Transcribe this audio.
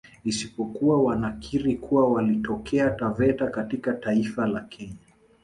Isipokuwa wanakiri kuwa walitokea Taveta katika taifa la Kenya